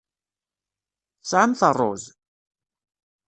Tesɛamt ṛṛuz?